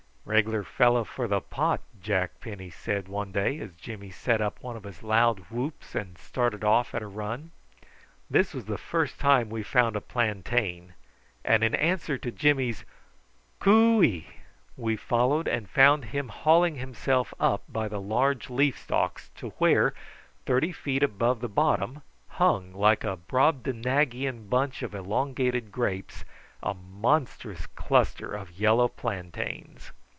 "Regular fellow for the pot," Jack Penny said one day as Jimmy set up one of his loud whoops and started off at a run. This was the first time we found a plantain, and in answer to Jimmy's cooey we followed and found him hauling himself up by the large leaf stalks, to where, thirty feet above the bottom, hung, like a brobdignagian bunch of elongated grapes, a monstrous cluster of yellow plantains.